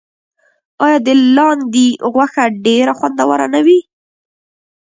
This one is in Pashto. آیا د لاندي غوښه ډیره خوندوره نه وي؟